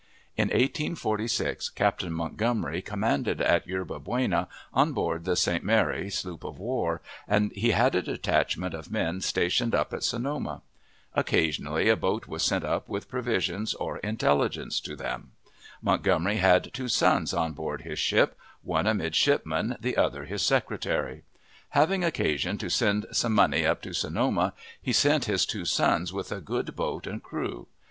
In 1846 Captain Montgomery commanded at Yerba Buena, on board the St. Mary sloop of war, and he had a detachment of men stationed up at Sonoma. Occasionally a boat was sent up with provisions or intelligence to them. Montgomery had two sons on board his ship, one a midshipman, the other his secretary. Having occasion to send some money up to Sonoma, he sent his two sons with a good boat and crew.